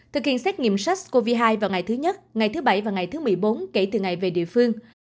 thực hiện xét nghiệm sars cov hai vào ngày thứ nhất ngày thứ bảy và ngày thứ một mươi bốn kể từ ngày về địa phương